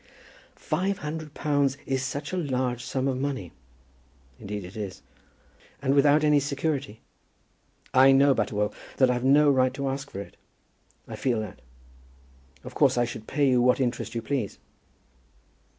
"Five hundred pounds is such a large sum of money." "Indeed it is." "And without any security!" "I know, Butterwell, that I've no right to ask for it. I feel that. Of course I should pay you what interest you please."